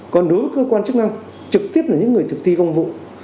còn đối với cơ quan chức năng trực tiếp là những người thực thi công vụ